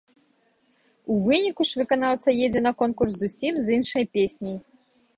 У выніку ж выканаўца едзе на конкурс зусім з іншай песняй.